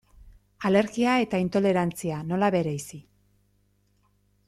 Alergia eta intolerantzia, nola bereizi?